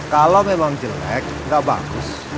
kalo memang jelek ga bagus